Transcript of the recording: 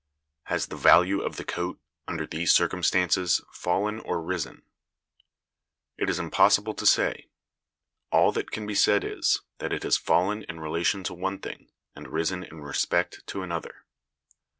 Has the value of the coat, under these circumstances, fallen or risen? It is impossible to say: all that can be said is, that it has fallen in relation to one thing, and risen in respect to another.